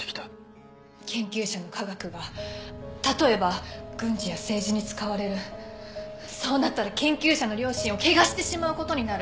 研究者の科学が例えば軍事や政治に使われるそうなったら研究者の良心を汚してしまう事になる。